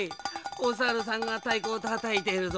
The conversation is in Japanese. おさるさんがたいこをたたいてるぞ！